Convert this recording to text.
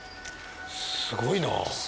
すごいな。